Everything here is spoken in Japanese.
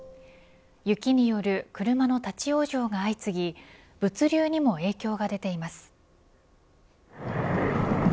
雪による車の立ち往生が相次ぎ物流にも影響が出ています。